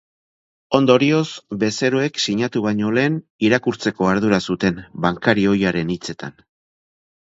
Ondorioz, bezeroek sinatu baino lehen irakurtzeko ardura zuten, bankari ohiaren hitzetan.